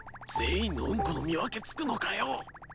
全員のうんこの見分けつくのかよ。